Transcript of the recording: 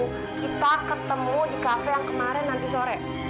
kita ketemu di kafe yang kemarin nanti sore